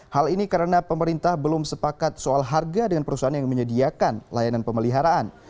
hal ini karena pemerintah belum sepakat soal harga dengan perusahaan yang menyediakan layanan pemeliharaan